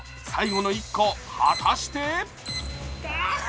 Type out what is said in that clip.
最後の１個果たして？